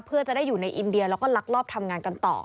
เพื่อจะได้อยู่ในอินเดียแล้วก็ลักลอบทำงานกันต่อ